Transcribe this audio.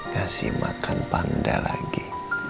nasi makan panda lagi